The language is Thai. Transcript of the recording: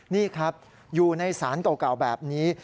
นี่ครับอยู่ในสารเก่าแบบนี้